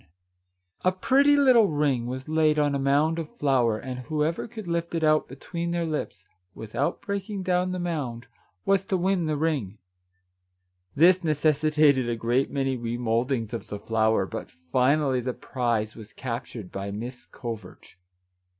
74 Our Little Canadian Cousin A pretty little ring was laid on a mound of flour, and whoever could lift it out between their lips, without breaking down the mound, was to win the ring. This necessitated a great many remouldings of the flour, — but finally the prize was captured by Miss Covert.